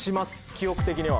記憶的には。